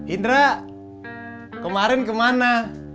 indra kemarin kemana